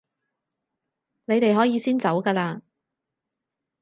你哋可以走先㗎喇